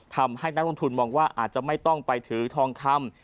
นักลงทุนมองว่าอาจจะไม่ต้องไปถือทองคำ